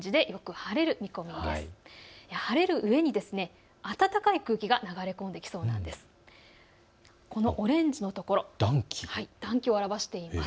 晴れるうえに暖かい空気が流れ込んできそうです。